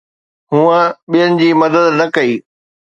هوء ٻين جي مدد نه ڪئي